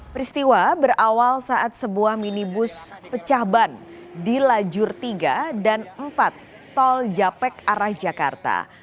peristiwa berawal saat sebuah minibus pecah ban di lajur tiga dan empat tol japek arah jakarta